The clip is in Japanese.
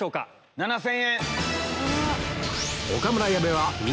７０００円！